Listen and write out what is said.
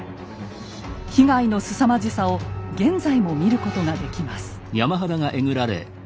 被害のすさまじさを現在も見ることができます。